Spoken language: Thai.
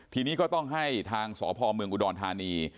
ทีนี้ก็ต้องให้ทางสพเมืองอุดรธานี